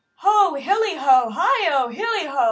Ho! hilly ho! heigh O! Hilly ho!